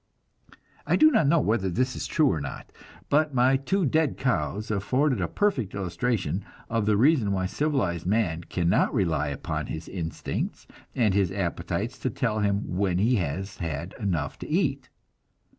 I do not know whether this is true or not. But my two dead cows afford a perfect illustration of the reason why civilized man cannot rely upon his instincts and his appetites to tell him when he has had enough to eat.